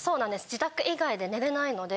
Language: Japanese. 自宅以外で寝れないので。